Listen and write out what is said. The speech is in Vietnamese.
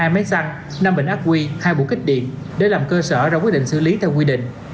hai máy xăng năm bình ác quy hai bộ kích điện để làm cơ sở ra quyết định xử lý theo quy định